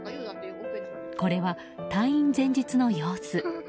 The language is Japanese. これは退院前日の様子。